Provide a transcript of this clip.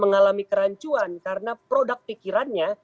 mengalami kerancuan karena produk pikirannya